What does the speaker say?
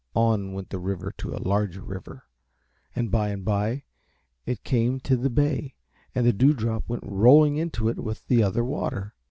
On went the river to a larger river, and by and by it came to the bay and the Dewdrop went rolling into it with the other water.